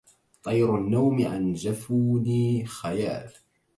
طير النوم عن جفوني خيال